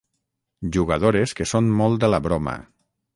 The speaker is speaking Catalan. Jugadores que són molt de la broma.